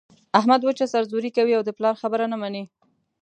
احمد وچه سر زوري کوي او د پلار خبره نه مني.